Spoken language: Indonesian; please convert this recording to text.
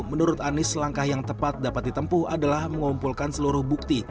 menurut anies langkah yang tepat dapat ditempuh adalah mengumpulkan seluruh bukti